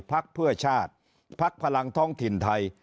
พักเพื่อชาติพักพลังท้องถิ่นไทย